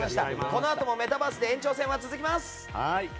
このあともメタバースで延長戦は続きます！